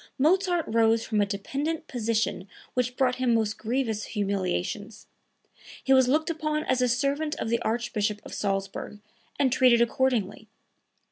Mozart rose from a dependent position which brought him most grievous humiliations; he was looked upon as a servant of the Archbishop of Salzburg, and treated accordingly.